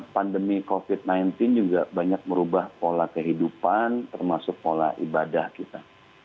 pandemi covid sembilan belas juga banyak merubah pola kehidupan termasuk pola ibadah kita